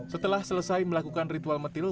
setelah selesai melakukan ritual metirul